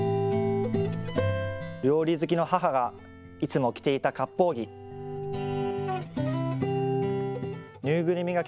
料理好きの母がいつも着ていたかっぽう着。